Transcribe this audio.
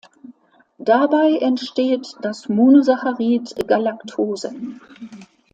Dabei entsteht das Monosaccharid Galactose.